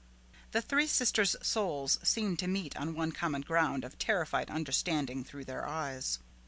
The three sisters' souls seemed to meet on one common ground of terrified understanding through their eyes.